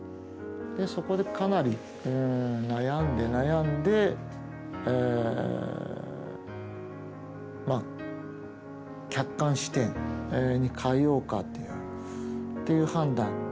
でそこでかなりうん悩んで悩んでまあ客観視点に変えようかっていう判断。